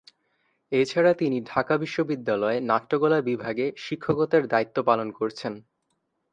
এছাড়া তিনি ঢাকা বিশ্ববিদ্যালয়ে নাট্যকলা বিভাগে শিক্ষকতার দায়িত্ব পালন করছেন।